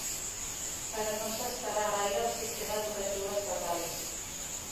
Però no s'estarà gaire al sistema educatiu estatal.